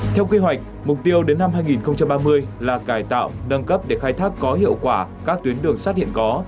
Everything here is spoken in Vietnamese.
theo kế hoạch mục tiêu đến năm hai nghìn ba mươi là cải tạo nâng cấp để khai thác có hiệu quả các tuyến đường sắt hiện có